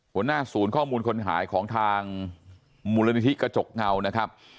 หัวหน้าศูนย์ข้อมูลคนหายของทางมูลนิธิกระจกเงานะครับ